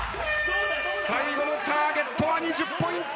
最後のターゲットは２０ポイント。